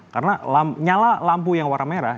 karena nyala lampu yang warna merah